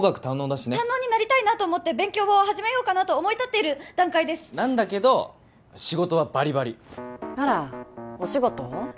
堪能になりたいなと思って勉強を始めようかなと思い立っている段階ですなんだけど仕事はバリバリあらお仕事を？